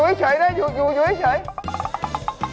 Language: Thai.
ไม่ได้หรอเดี๋ยวอยู่อยู่ไอ้เฉยนะอยู่